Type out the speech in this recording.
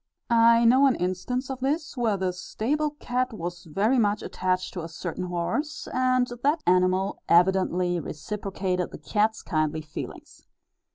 I know an instance of this where the stable cat was very much attached to a certain horse, and that animal evidently reciprocated the cat's kindly feelings.